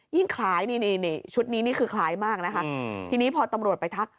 ยิ่งคล้ายชุดนี้คือคล้ายมากทีนี้พอตำรวจไปทัก